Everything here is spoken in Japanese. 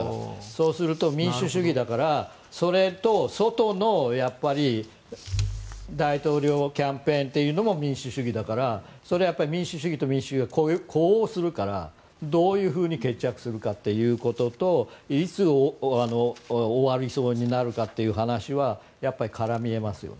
そうすると、民主主義だからそれと外の大統領キャンペーンというのも民主主義だからそれは民主主義と民主主義が呼応するから、どういうふうに決着するかということといつ終わりそうになるかという話はやっぱり絡みますよね。